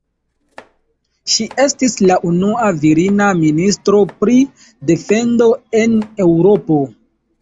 Ŝi estis la unua virina ministro pri defendo en Eŭropo.